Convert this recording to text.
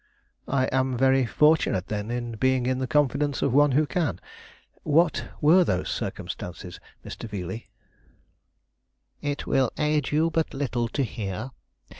"I am very fortunate, then, in being in the confidence of one who can. What were those circumstances, Mr. Veeley?" "It will aid you but little to hear.